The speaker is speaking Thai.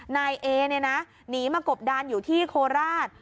นายเอเนี่ยนะหนีมากบดานอยู่ที่โคราช